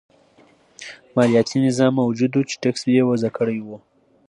مالیاتي نظام موجود و چې ټکس یې وضعه کړی و.